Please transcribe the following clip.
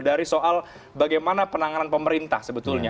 dari soal bagaimana penanganan pemerintah sebetulnya